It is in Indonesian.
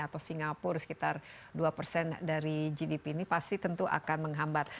atau singapura sekitar dua persen dari gdp ini pasti tentu akan menghambat